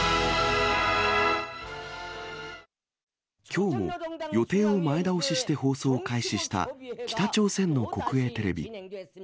きょう、予定を前倒しして放送を開始した北朝鮮の国営テレビ。